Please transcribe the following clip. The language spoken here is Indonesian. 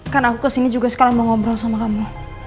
karena aku kesini juga sekali mau ngobrol sama kamu